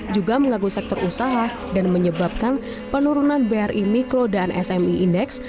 juga mengaguh sektor usaha dan menyebabkan penurunan bri mikro dan smi index